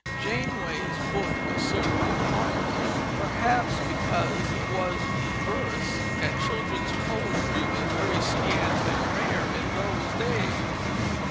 Janeway's book was certainly popular, perhaps because it was in verse, and children's poetry was very scanty and rare in those days.